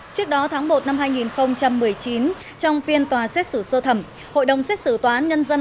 trước đó tháng một năm hai nghìn một mươi chín trong phiên tòa xét xử sơ thẩm hội đồng xét xử tòa án nhân dân